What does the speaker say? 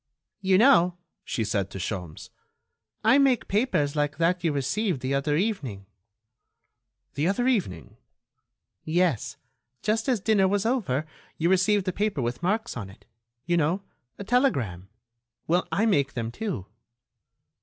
"You know," she said to Sholmes, "I make papers like that you received the other evening." "The other evening?" "Yes, just as dinner was over, you received a paper with marks on it ... you know, a telegram.... Well, I make them, too."